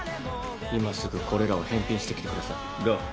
今すぐこれらを返品してきてくださいゴー。